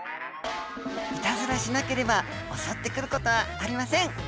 いたずらしなければ襲ってくることはありません。